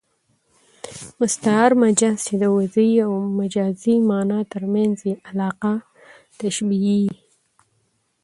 مستعار مجاز، چي د وضعي او مجازي مانا تر منځ ئې علاقه تشبېه يي.